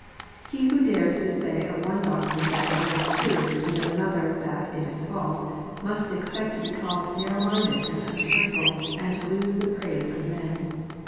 He who dares to say of one doctrine that "it is true," and of another that " it is false," must expect to be called narrow minded and uncharitable, and to lose the praise of men.